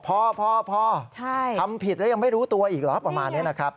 พอทำผิดแล้วยังไม่รู้ตัวอีกเหรอประมาณนี้นะครับ